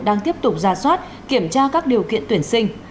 đang tiếp tục ra soát kiểm tra các điều kiện tuyển sinh